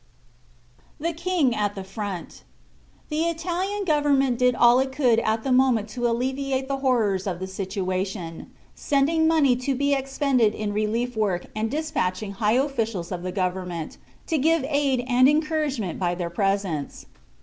THE KING AT THE FRONT. The Italian Government did all it could at the moment to alleviate the horrors of the situation, sending money to be expended in relief work and dispatching high officials of the government to give aid and encouragement by their presence.